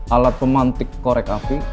alat pemantik korek api